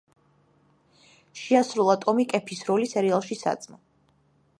შეასრულა ტომი კეფის როლი სერიალში „საძმო“.